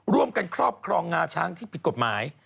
ครอบครองงาช้างที่ผิดกฎหมาย